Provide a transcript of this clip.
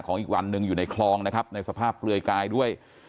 อีกวันหนึ่งอยู่ในคลองนะครับในสภาพเปลือยกายด้วย